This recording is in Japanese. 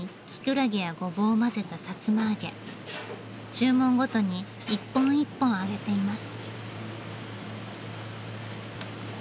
注文ごとに一本一本揚げています。